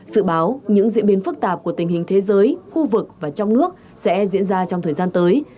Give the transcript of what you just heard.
sự báo những diễn biến phức tạp của tình hình thế giới khu vực và trong nước sẽ diễn ra trong thời gian tới